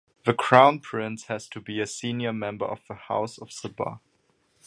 The Crown Prince has to be a senior member of the House of Sabah.